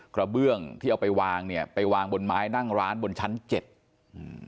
กระเบื้องที่เอาไปวางเนี้ยไปวางบนไม้นั่งร้านบนชั้นเจ็ดอืม